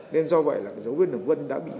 nên do vậy là cái dấu viết đường vân đã bị mất